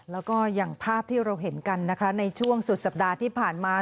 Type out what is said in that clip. แล้วก็อย่างภาพที่เราเห็นกันนะคะในช่วงสุดสัปดาห์ที่ผ่านมา